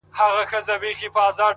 • زه هوښیار یم خوله به څنګه خلاصومه ,